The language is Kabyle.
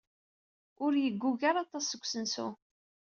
Ur yeggug ara aṭas seg usensu.